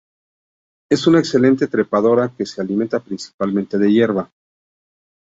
Es una excelente trepadora que se alimenta principalmente de hierba.